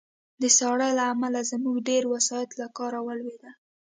د ساړه له امله زموږ ډېری وسایط له کار ولوېدل